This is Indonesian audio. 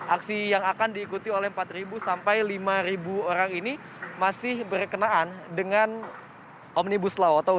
aksi yang akan diikuti oleh empat sampai lima orang ini masih berkenaan dengan omnibus law